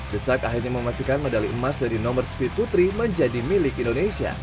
desak akhirnya memastikan medali emas dari nomor speed putri menjadi milik indonesia